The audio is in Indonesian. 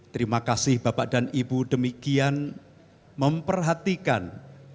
terima kasih bapak dan ibu demikian memperhatikan